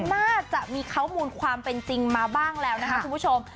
น่าจะมีข้อมูลความเป็นจริงมาบ้างแล้วนะคะคุณผู้ชม